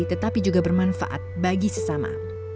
tetapi juga bermanfaat bagi sesama